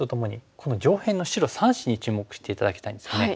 この上辺の白３子に注目して頂きたいんですね。